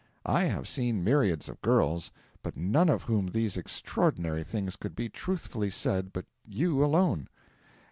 I have seen myriads of girls, but none of whom these extraordinary things could be truthfully said but you alone.